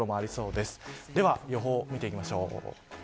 では予報を見ていきましょう。